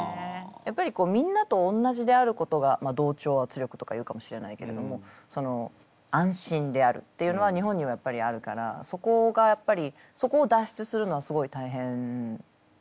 やっぱりみんなと同じであることが同調圧力とか言うかもしれないけれども安心であるっていうのが日本にはやっぱりあるからそこがやっぱりそこを脱出するのはすごい大変だったね。